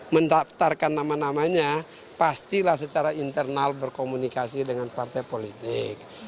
mendaftarkan nama namanya pastilah secara internal berkomunikasi dengan partai politik